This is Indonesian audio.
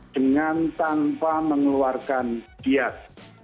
dengan tanpa mengeluarkan biad